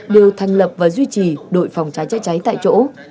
đều thành lập và duy trì đội phòng cháy chữa cháy tại chỗ